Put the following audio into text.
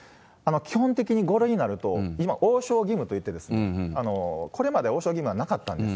基本的に５類になると、今、応召義務と言って、これまで応召義務はなかったんです。